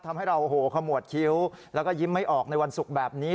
ทำให้เราโอ้โหขมวดคิ้วแล้วก็ยิ้มไม่ออกในวันศุกร์แบบนี้